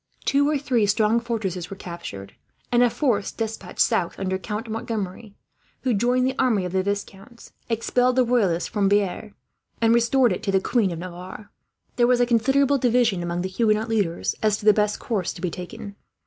Two or three strong fortresses were captured; and a force despatched south, under Count Montgomery, who joined the army of the Viscounts, expelled the Royalists from Bearn, and restored it to the Queen of Navarre. There was a considerable division, among the Huguenot leaders, as to the best course to be taken.